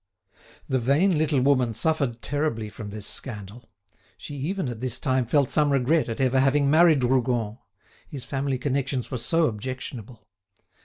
The vain little woman suffered terribly from this scandal. She even at this time felt some regret at ever having married Rougon; his family connections were so objectionable.